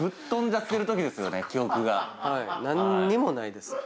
何にもないですね。